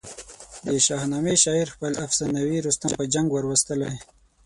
د شاهنامې شاعر خپل افسانوي رستم په جنګ وروستلی.